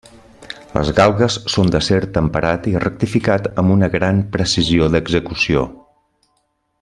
Les galgues són d'acer temperat i rectificat amb una gran precisió d'execució.